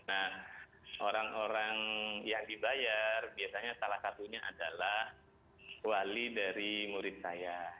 nah orang orang yang dibayar biasanya salah satunya adalah wali dari murid saya